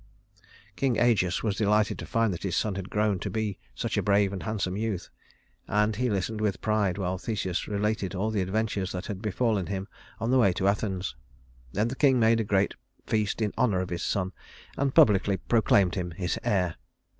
King Ægeus was delighted to find that his son had grown to be such a brave and handsome youth, and he listened with pride while Theseus related all the adventures that had befallen him on the way to Athens. Then the king made a great feast in honor of his son, and publicly proclaimed him his heir.